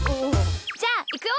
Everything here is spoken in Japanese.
じゃあいくよ！